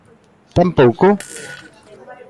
¿Tampouco?